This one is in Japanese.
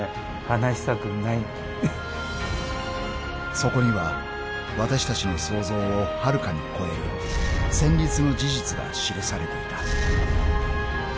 ［そこには私たちの想像をはるかに超える戦慄の事実が記されていた］